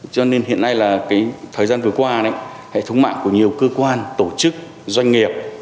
cho nên hiện nay là thời gian vừa qua hệ thống mạng của nhiều cơ quan tổ chức doanh nghiệp